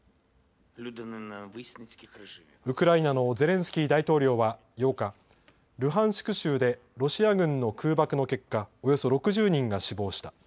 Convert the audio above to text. ウクライナのゼレンスキー大統領は８日、ルハンシク州でロシア軍の空爆の結果、およそ６０人が死亡した。